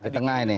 di tengah ini